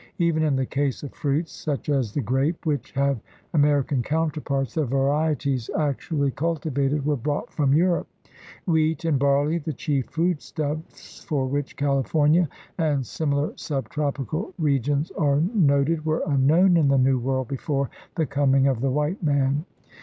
Even in the case of fruits, such as the grape, which have American counterparts, the varieties actually ' Hodge, Handbook of American Indians. THE RED MAN IN AMERICA 141 cultivated were brought from Europe. Wheat and barley, the chief foodstuffs for which California and similar subtropical regions are noted, were un known in the New World before the coming of the white man.